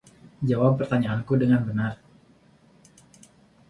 Jawab pertanyaanku dengan benar.